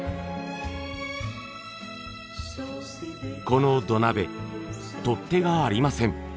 この土鍋取っ手がありません。